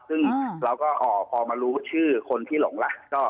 ซึ่งเราก็พอมารู้ชื่อคนที่หลงล่ะ